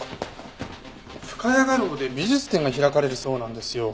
深谷画廊で美術展が開かれるそうなんですよ。